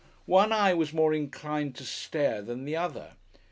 One eye was more inclined to stare than the other.